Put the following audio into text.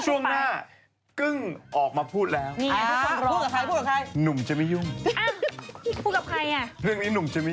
ดูต่างอยู่ดีก็แฮมไป